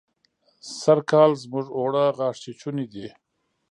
سرکال زموږ اوړه غاښ چيچوني دي.